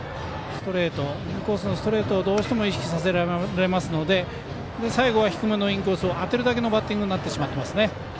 インコースのストレートをどうしても意識させられますので最後は低めのインコースを当てるだけのバッティングになっていますね。